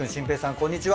こんにちは。